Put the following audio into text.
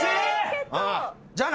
じゃあな。